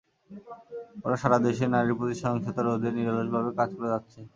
ওরা সারা দেশে নারীর প্রতি সহিংসতা রোধে নিরলসভাবে কাজ করে যাচ্ছে।